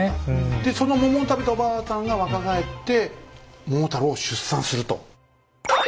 でその桃を食べたおばあさんが若返って桃太郎を出産すると。